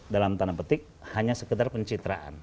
dalam tanda petik hanya sekedar pencitraan